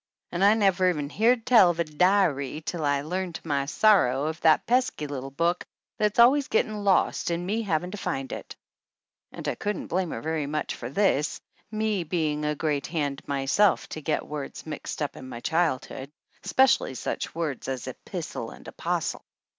An' I never even heered tell of a di ry till I learned to my sorrow of that pesky little book that's always gettin' lost and me havin' to find it." And I couldn't blame her very much for this, me being a great hand myself to get words 165 THE ANNALS OF ANN mixed up in my childhood, especially such words as epistle and apostle.